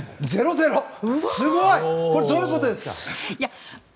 すごい！どういうことですか！